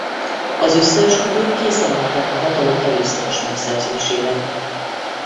Az összeesküvők készen álltak a hatalom erőszakos megszerzésére.